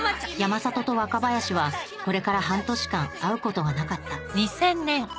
山里と若林はこれから半年間会うことはなかった・